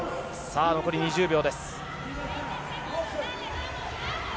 残り２０秒です。